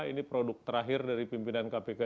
ini produk terakhir dari pimpinan kpk